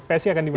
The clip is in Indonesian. psi akan dimana